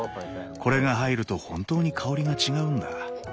これが入ると本当に香りが違うんだ。